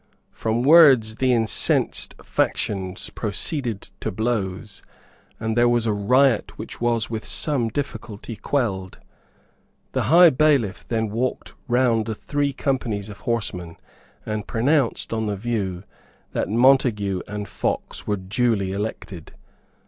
From words the incensed factions proceeded to blows; and there was a riot which was with some difficulty quelled. The High Bailiff then walked round the three companies of horsemen, and pronounced, on the view, that Montague and Fox were duly elected.